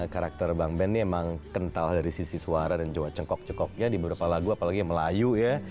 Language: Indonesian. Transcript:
karakter bang ben ini emang kental dari sisi suara dan coba cengkok cengkoknya di beberapa lagu apalagi melayu ya